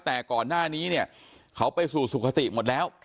แต่ก่อนหน้านี้เนี่ยเขาไปสู่สุขติหมดแล้ว